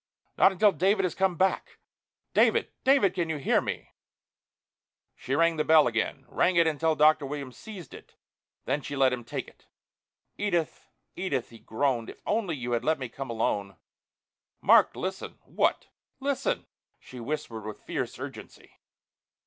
"Not until David has come back.... David, David, can you hear me?" She rang the bell again, rang it until Dr. Williams seized it, then she let him take it. "Edith, Edith," he groaned. "If only you had let me come alone...." "Mark, listen!" "What?" "Listen!" she whispered with fierce urgency.